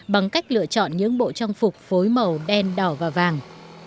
bằng cách lựa chọn những bộ trang phục phối màu đen đỏ và vàng